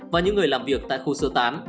và những người làm việc tại khu sơ tán